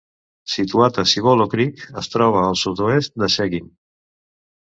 Situat a Cibolo Creek, es troba al sud-oest de Seguin.